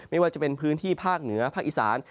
ไม่ว่าจะเป็นพื้นที่ภาคเหนือภาคอีสาน